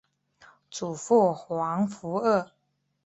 祖父黄福二。